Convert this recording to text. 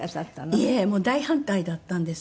いえ大反対だったんです。